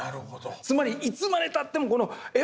つまりいつまでたってもえっ？